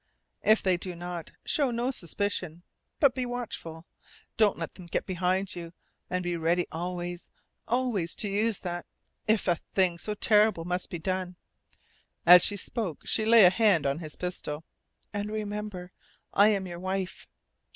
If they do not, show no suspicion. But be watchful. Don't let them get behind you. And be ready always always to use that if a thing so terrible must be done!" As she spoke she lay a hand on his pistol. "And remember: I am your wife!"